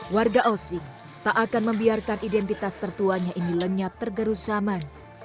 warga osin tak akan membiarkan identitas tertuanya ini lenyap tergerusaman